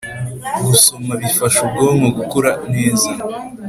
Gusoma bifasha ubwonko gukora neza